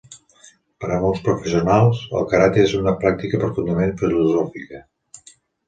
Per a molts professionals, el karate és una pràctica profundament filosòfica.